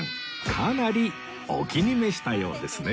かなりお気に召したようですね